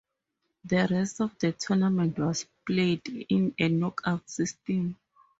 The rest of the tournament was played in a knockout-system.